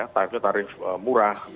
tarifnya tarif murah